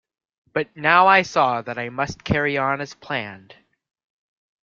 But now I saw that I must carry on as planned.